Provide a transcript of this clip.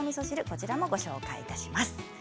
こちらも、ご紹介します。